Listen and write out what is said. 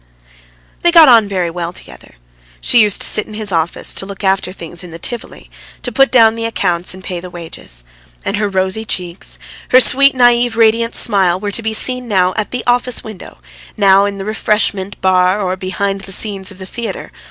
They got on very well together. She used to sit in his office, to look after things in the Tivoli, to put down the accounts and pay the wages. And her rosy cheeks, her sweet, naïve, radiant smile, were to be seen now at the office window, now in the refreshment bar or behind the scenes of the theatre.